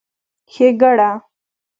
ښېګړه